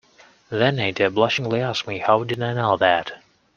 Then Ada blushingly asked me how did I know that.